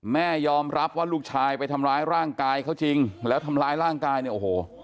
แม่ยอมรับว่าลูกชายไปทำร้ายร่างกายเขาจริงแล้วทำร้ายร่างกายเนี่ยโอ้โห